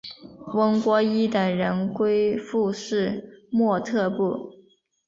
翁郭依等人归附土默特部。